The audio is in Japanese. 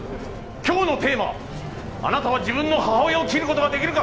「今日のテーマはあなたは自分の母親を切る事が出来るか？」